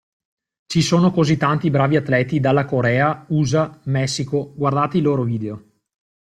Ci sono così tanti bravi atleti dalla Corea, USA, Messico, guardate i loro video.